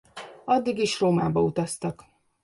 Addig is Rómába utaztak.